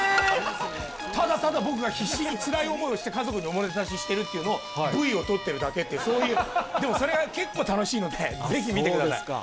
ただただ僕が必死につらい思いをして、家族におもてなししてるだけのＶを撮っているだけって、そういう、でもそれが結構楽しいので、ぜひ見てください。